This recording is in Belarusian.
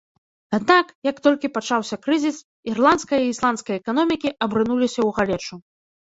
Аднак, як толькі пачаўся крызіс, ірландская і ісландская эканомікі абрынуліся ў галечу.